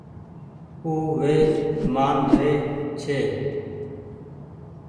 اُو وي مآن ري ڇي۔